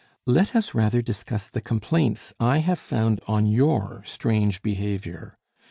"Let us rather discuss the complaints I have found on your strange behavior.